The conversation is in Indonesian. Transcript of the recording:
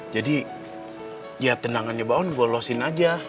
jadi ya tenangannya mbak on gue losin aja